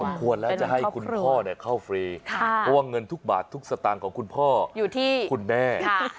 ควรแล้วจะให้คุณพ่อเข้าฟรีเพราะว่าเงินทุกบาททุกสตางค์ของคุณพ่ออยู่ที่คุณแม่